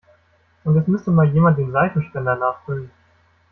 Und es müsste mal jemand den Seifenspender nachfüllen.